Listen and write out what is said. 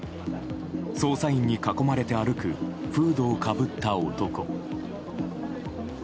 捜査員に囲まれて歩くフードをかぶった男。